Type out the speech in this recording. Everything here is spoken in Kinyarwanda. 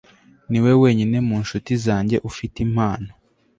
Niwe wenyine mu nshuti zanjye ufite impano